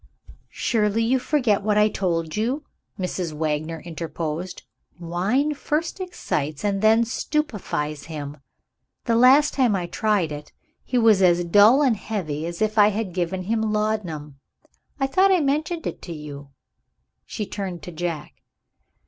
"Surely you forget what I told you?" Mrs. Wagner interposed. "Wine first excites, and then stupefies him. The last time I tried it, he was as dull and heavy as if I had given him laudanum. I thought I mentioned it to you." She turned to Jack.